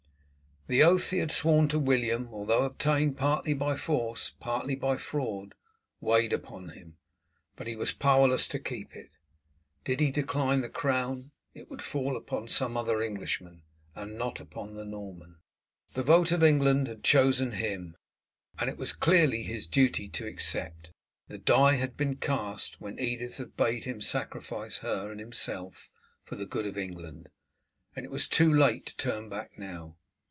The oath he had sworn to William, although obtained partly by force partly by fraud, weighed upon him, but he was powerless to keep it. Did he decline the crown it would fall upon some other Englishman, and not upon the Norman. The vote of England had chosen him, and it was clearly his duty to accept. The die had been cast when Edith had bade him sacrifice her and himself for the good of England, and it was too late to turn back now.